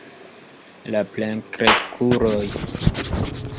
La plenkreskuloj.